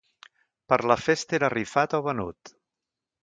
Per la festa era rifat o venut.